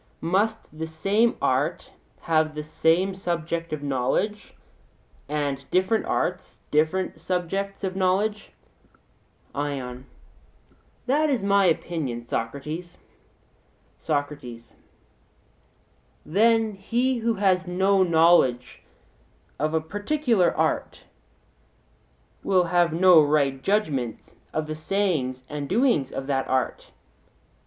Must the same art have the same subject of knowledge, and different arts other subjects of knowledge? ION: That is my opinion, Socrates. SOCRATES: Then he who has no knowledge of a particular art will have no right judgment of the sayings and doings of that art?